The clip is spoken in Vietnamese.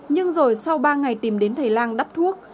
nhưng rồi sau ba ngày tìm đến thầy lang đắp thuốc